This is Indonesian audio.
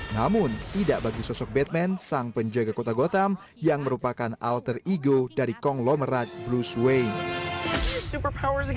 namun tidak bagi sosok batman sang penjaga kota gotham yang merupakan alter ego dari kong lomerat bruce wayne